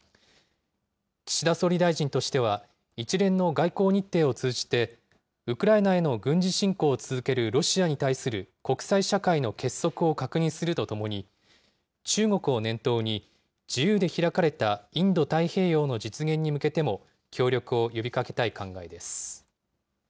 岸田総理大臣としては、一連の外交日程を通じて、ウクライナへの軍事侵攻を続けるロシアに対する国際社会の結束を確認するとともに、中国を念頭に、自由で開かれたインド太平洋の実現に向けても協力を呼びかけたい考えです。